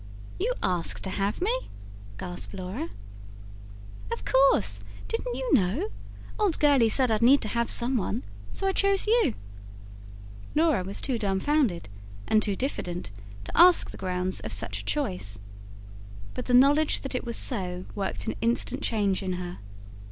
"You asked to have me?" gasped Laura. "Of course didn't you know? Old Gurley said I'd need to have some one; so I chose you." Laura was too dumbfounded, and too diffident, to ask the grounds of such a choice. But the knowledge that it was so, worked an instant change in her.